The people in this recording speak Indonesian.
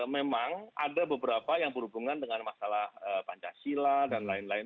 memang ada beberapa yang berhubungan dengan masalah pancasila dan lain lain